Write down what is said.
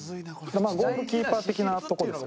ゴールキーパー的なとこですよ。